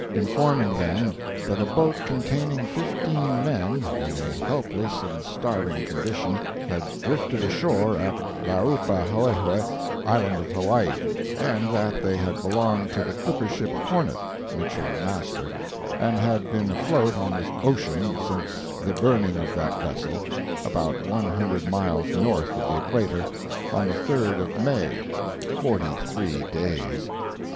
informing them that a boat containing fifteen men, in a helpless and starving condition, had drifted ashore at Laupahoehoe, Island of Hawaii, and that they had belonged to the clipper ship Hornet, Mitchell master, and had been afloat on the ocean since the burning of that vessel, about one hundred miles north of the equator, on the 3d of May—forty three days.